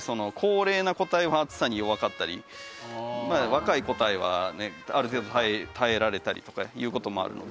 若い個体はある程度耐えられたりとかいう事もあるので。